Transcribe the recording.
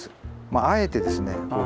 まああえてですね